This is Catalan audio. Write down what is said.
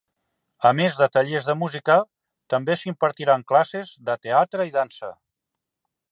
A més de tallers de música, també s'impartiran classes de teatre i dansa.